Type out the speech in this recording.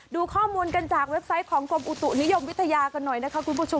ดูข้อมูลกันจากเว็บไซต์ของกรมอุตุนิยมวิทยากันหน่อยนะคะคุณผู้ชม